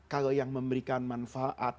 kalau yang memberikan manfaat